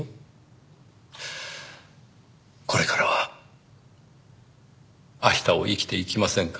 これからは明日を生きていきませんか？